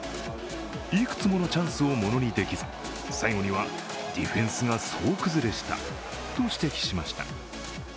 いくつものチャンスをものにできず、最後にはディフェンスが総崩れした、と指摘しました。